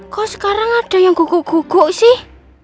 kok sekarang ada yang guguk guguk sih